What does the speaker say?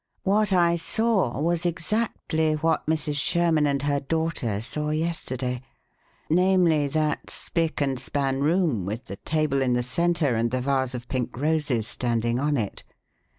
What I saw was exactly what Mrs. Sherman and her daughter saw yesterday namely, that spick and span room with the table in the centre and the vase of pink roses standing on it.